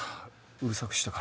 うるさくしたから。